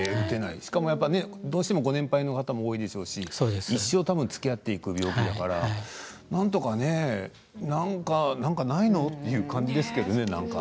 しかも、どうしてもご年配の方も多いでしょうし一生たぶんつきあっていく病気だから何かないのという感じですけどね